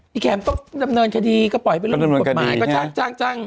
พี่แขมก็จำนวนคดีก็ป่อยไปเรื่องกฎหมาย